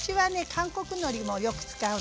韓国のりもよく使うのね。